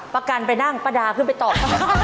ป๊ากกัลไปนั่งป๊าดาเพื่อไปตอบ